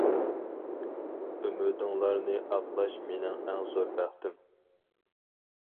ئۈمىدىڭلارنى ئاقلاش مېنىڭ ئەڭ زور بەختىم.